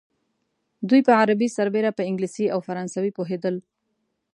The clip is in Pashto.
دوی په عربي سربېره په انګلیسي او فرانسوي پوهېدل.